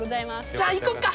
じゃあ行こうか。